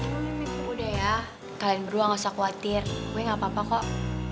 cuma mimpi gue deh ya kalian berdua gak usah khawatir gue gak apa apa kok